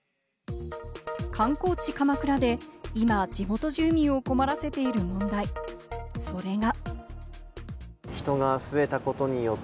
観光地・鎌倉で今、地元住民を困らせている問題、それが。